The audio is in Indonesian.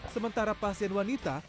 sementara pasien wanita